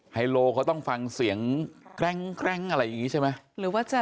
ไฮโลเขาต้องฟังเสียงแกร้งอะไรอย่างนี้ใช่ไหมหรือว่าจะ